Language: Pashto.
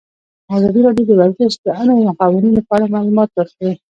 ازادي راډیو د ورزش د اړونده قوانینو په اړه معلومات ورکړي.